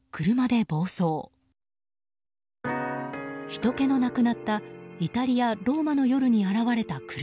ひとけのなくなったイタリア・ローマの夜に現れた車。